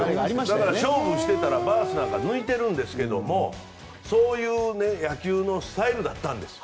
だから勝負してたらバースなんかが抜いているんですがそういう野球のスタイルだったんです。